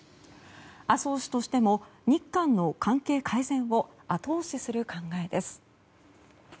麻生氏としても日韓の関係改善を後押しする考えです。